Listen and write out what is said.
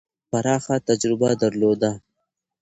پراخه تجربه درلوده.